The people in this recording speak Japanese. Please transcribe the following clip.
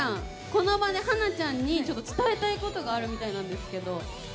この場で華ちゃんに伝えたいことがあるみたいなんですが。